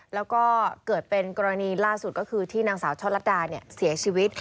แล้วก็เกิดเป็นกรณีล่าสุดก็คือที่นางสาวช่อลัดดาเสียชีวิต